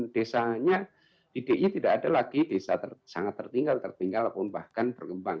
desanya di di tidak ada lagi desa sangat tertinggal tertinggal ataupun bahkan berkembang